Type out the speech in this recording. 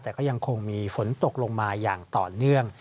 แต่ก็ยังคงมีฝนตกลงมาอย่างต่อเนื่อง